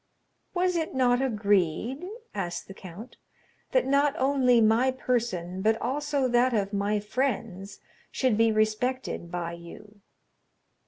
"Was it not agreed," asked the count, "that not only my person, but also that of my friends, should be respected by you?"